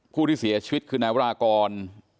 ผู้ที่เสียชีวิตคือนายวรากร